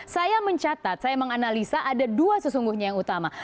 saya mencatat saya menganalisa ada dua sesungguhnya yang utama